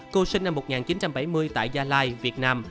cô sinh năm một nghìn chín trăm bảy mươi tại gia lai việt nam